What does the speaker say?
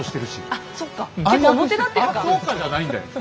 「あっそっか」じゃないんだよ。ね？